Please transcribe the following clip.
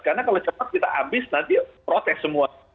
karena kalau cepat kita habis nanti protes semua